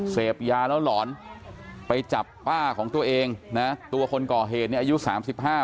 เสพยาแล้วหลอนไปจับป้าของตัวเองนะตัวคนก่อเหตุเนี่ยอายุสามสิบห้า